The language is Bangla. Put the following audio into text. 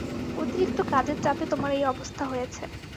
অতিরিক্ত কাজের চাপে তোমার এই অবস্থা হয়েছে।